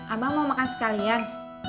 abang mau makan sekalian